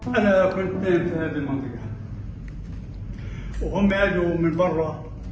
setelah itu mereka berhenti berbicara